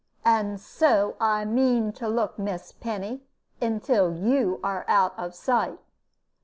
"And so I mean to look, Miss Penny, until you are out of sight."